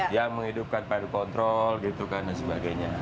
ya menghidupkan pada kontrol gitu kan dan sebagainya